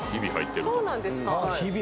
そうなんですか。